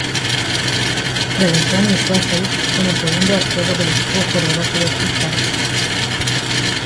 Regresó al Newcastle como segundo arquero del equipo por debajo de Steve Harper.